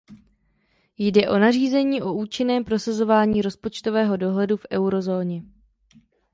Jde o nařízení o účinném prosazování rozpočtového dohledu v eurozóně.